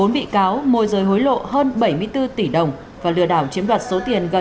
bốn bị cáo môi rời hối lộ hơn bảy mươi bốn tỷ đồng và lừa đảo chiếm đoạt số tiền gần